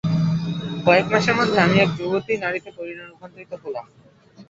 কয়েকমাসের মধ্যে আমি এক যুবতী নারীতে রূপান্তরিত হলাম।